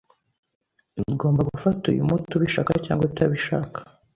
Ugomba gufata uyu muti, ubishaka cyangwa utabishaka.